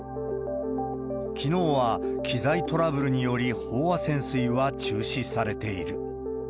きのうは、機材トラブルにより飽和潜水は中止されている。